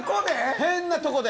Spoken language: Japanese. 変なとこで。